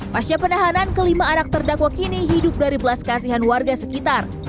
pasca penahanan kelima anak terdakwa kini hidup dari belas kasihan warga sekitar